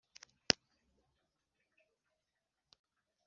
iyo bashyingura iyanjye mba mpazi,